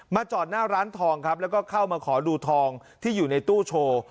จอดหน้าร้านทองครับแล้วก็เข้ามาขอดูทองที่อยู่ในตู้โชว์